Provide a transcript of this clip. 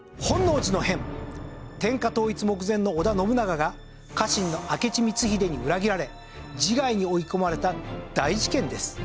天下統一目前の織田信長が家臣の明智光秀に裏切られ自害に追い込まれた大事件です。